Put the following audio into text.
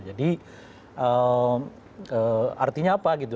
jadi artinya apa gitu